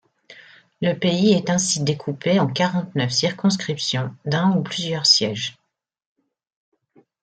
Le pays est ainsi découpé en quarante-neuf circonscriptions d'un ou plusieurs sièges.